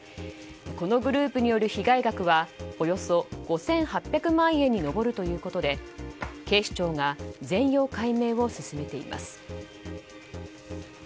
このグループによる被害額はおよそ５８００万円に上るということで警視庁が全容解明を進めています。